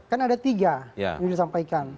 kan ada tiga yang disampaikan